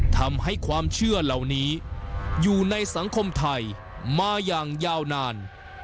ทำให้ความเชื่อเหล่านี้อยู่ในสังคมไทยมาอย่างยาวนาน